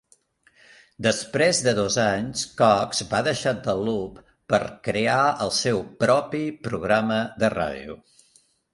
Després de dos anys, Cox va deixar The Loop per crear el seu propi programa de ràdio.